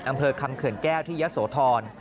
อำเภอคำเขื่อนแก้วที่ยะโสธร